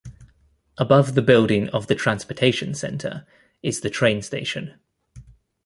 Above the building of the transportation center is the train station.